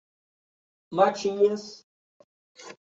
Matinhas